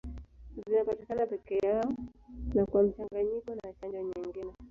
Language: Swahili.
Zinapatikana peke yao na kwa mchanganyiko na chanjo nyingine.